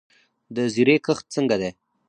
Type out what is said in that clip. د زیرې کښت څنګه دی؟